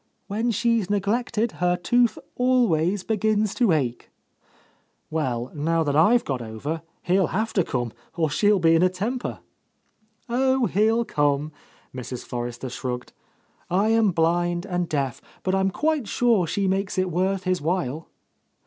"When she's neg lected, her tooth always begins to ache !" "Well, now that I've got over, he'll have to come, or she will be in a temper." "Oh, he'll come!" Mrs. Forrester shrugged. "I am blind and deaf, but I'm quite sure she makes it worth his while!"